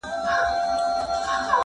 • تر څو به له پردیو ګیله مني لرو ژبي -